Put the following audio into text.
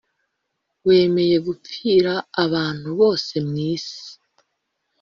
Wemeye gupfir' abantu bose mw isi.